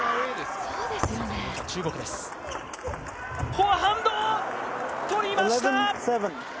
フォアハンド、とりました！